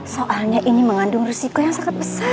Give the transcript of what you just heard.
soalnya ini mengandung risiko yang sangat besar